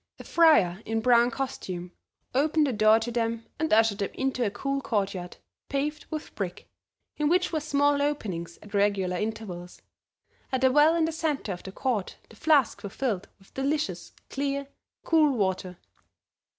A friar in brown costume opened the door to them and ushered them into a cool courtyard, paved with brick, in which were small openings at regular intervals. At the well in the centre of the court the flasks were filled with delicious, clear, cool water.